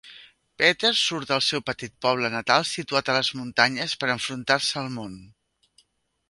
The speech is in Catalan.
Peter surt del seu petit poble natal situat a les muntanyes per enfrontar-se al món.